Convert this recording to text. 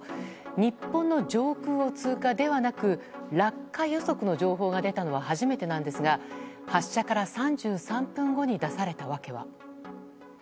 日本の上空を通過ではなく落下予測の情報が出たのは初めてなんですが発射から３３分後に出された訳は。